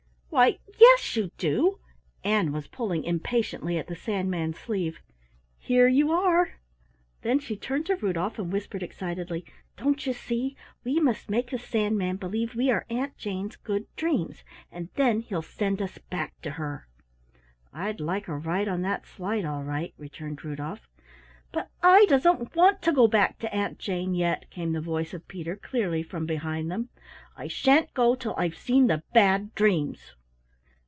"Why, yes you do!" Ann was pulling impatiently at the Sandman's sleeve "Here you are." Then she turned to Rudolf and whispered excitedly: "Don't you see? We must make the Sandman believe we are Aunt Jane's Good Dreams, and then he'll send us back to her." "I'd like a ride on that slide, all right!" returned Rudolf. "But I doesn't want to go back to Aunt Jane yet," came the voice of Peter clearly from behind them. "I shan't go till I've seen the Bad Dreams."